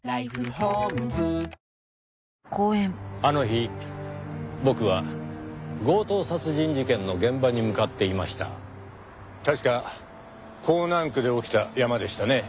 あの日僕は強盗殺人事件の現場に向かっていました。